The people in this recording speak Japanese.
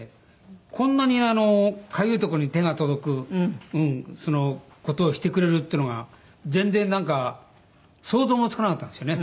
こんなにあのかゆい所に手が届く事をしてくれるっていうのが全然なんか想像もつかなかったんですよね。